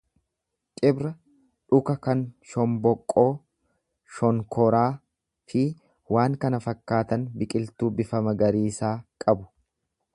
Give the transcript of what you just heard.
Cibra dhuka kan shombooqqoo, shonkoraa fi waan kana fakkaatan biqiltuu bifa magariisa qabu.